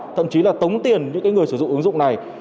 thậm chí là tống tiền những người sử dụng ứng dụng này